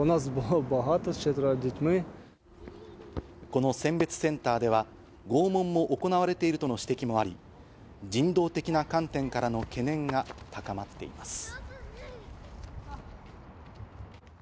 この選別センターでは拷問も行われているとの指摘もあり、人道的な観点からの懸念が高まっています。